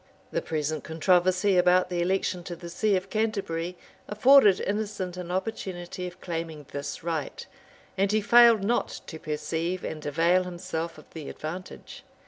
The present controversy about the election to the see of Canterbury afforded Innocent an opportunity of claiming this right; and he failed not to perceive and avail himself of the advantage.